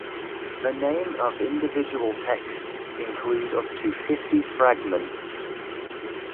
The name of individual texts include up to fifty fragments.